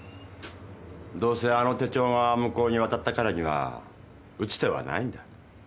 どうせあの手帳が向こうに渡ったからには打つ手はないんだ。